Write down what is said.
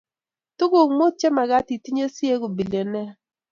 Tukuk mut chemagat itinye sieku bilionea